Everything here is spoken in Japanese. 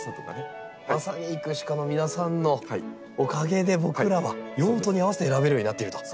まさに育種家の皆さんのおかげで僕らは用途に合わせて選べるようになっていると。